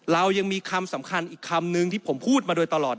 เรายังมีคำสำคัญอีกคำนึงที่ผมพูดมาโดยตลอด